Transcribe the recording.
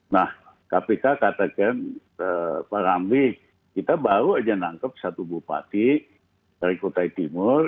nah kpk katakan pak ramli kita baru aja nangkep satu bupati dari kota timur